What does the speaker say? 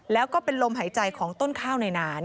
แล้วก็เป็นลมหายใจของต้นข้าวในหนา